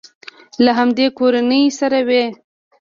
له همدې کورنۍ سره وي.